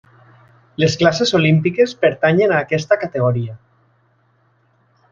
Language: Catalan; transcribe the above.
Les classes olímpiques pertanyen a aquesta categoria.